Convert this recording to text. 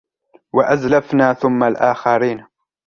وأزلفنا ثم الآخرين